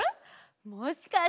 もしかして。